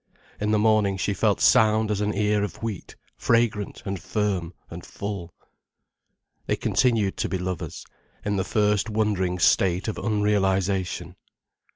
In the morning she felt sound as an ear of wheat, fragrant and firm and full. They continued to be lovers, in the first wondering state of unrealization.